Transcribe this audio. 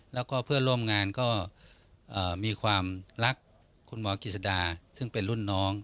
แล้วก็เพื่อนร่วมงานก็มีความรักคุณหมอกิจสดาซึ่งเป็นรุ่นน้อง